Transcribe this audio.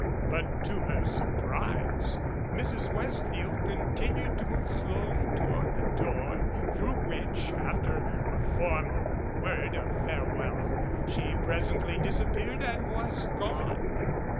But to her surprise Mrs. Westfield continued to move slowly toward the door, through which, after a formal word of farewell, she pres ently disappeared and was gone.